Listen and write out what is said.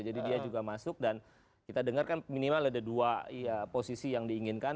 jadi dia juga masuk dan kita dengar kan minimal ada dua ya posisi yang diinginkan